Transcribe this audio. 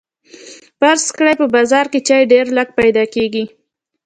فرض کړئ په بازار کې چای ډیر لږ پیدا کیږي.